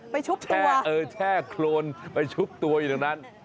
ไปชุบตัวอ่ะแช่โคลนไปชุบตัวอยู่ตรงนั้น